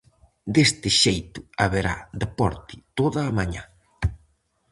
Deste xeito haberá deporte toda a mañá.